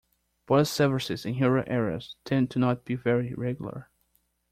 Bus services in rural areas tend not to be very regular.